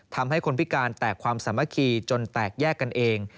ทำให้คนพิการแตกความสามัคคีจนแตกแยกกันเอง